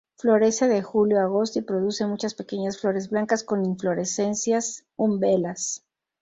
Florece de julio a agosto y produce muchas pequeñas flores blancas con inflorescencias umbelas.